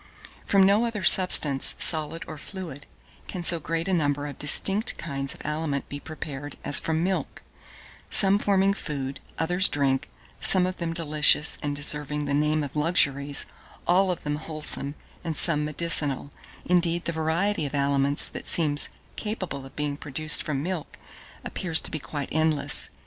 1614. From no other substance, solid or fluid, can so great a number of distinct kinds of aliment be prepared as from milk; some forming food, others drink; some of them delicious, and deserving the name of luxuries; all of them wholesome, and some medicinal: indeed, the variety of aliments that seems capable of being produced from milk, appears to be quite endless.